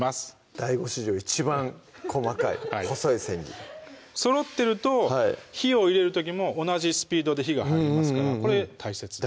ＤＡＩＧＯ史上一番細かい細い千切りそろってると火を入れる時も同じスピードで火が入りますからこれ大切です